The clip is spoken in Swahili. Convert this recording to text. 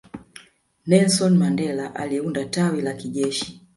nelson mandela aliunda tawi la kijeshi